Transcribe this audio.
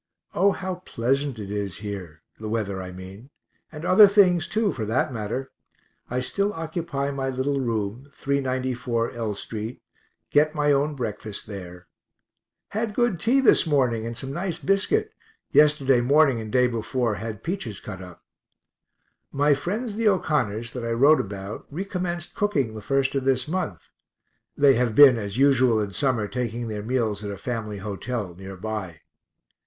O how pleasant it is here the weather I mean and other things too, for that matter. I still occupy my little room, 394 L st.; get my own breakfast there; had good tea this morning, and some nice biscuit (yesterday morning and day before had peaches cut up). My friends the O'Connors that I wrote about recommenced cooking the 1st of this month (they have been, as usual in summer, taking their meals at a family hotel near by).